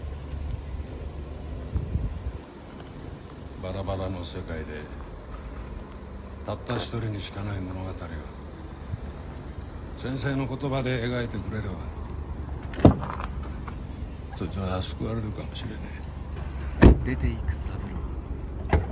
バラバラの世界でたった一人にしかない物語を先生の言葉で描いてくれればそいつは救われるかもしれねえ。